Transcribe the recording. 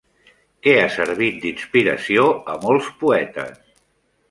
Què ha servit d'inspiració a molts poetes?